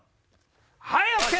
はいＯＫ！